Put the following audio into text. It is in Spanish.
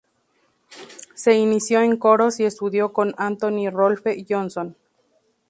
Se inició en coros y estudió con Anthony Rolfe Johnson.